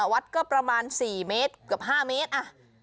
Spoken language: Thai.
วัดก็ประมาณ๔เมตรกับ๕เมตรอ่ะ